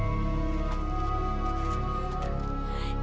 ini ditaruh ke mobil